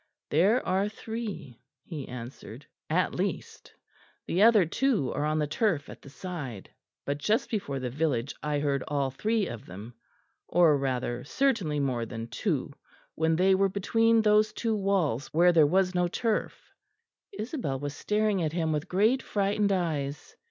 "There are three," he answered; "at least; the other two are on the turf at the side but just before the village I heard all three of them or rather certainly more than two when they were between those two walls where there was no turf." Isabel was staring at him with great frightened eyes.